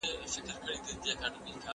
د بل په مال سترګې مه پټوئ.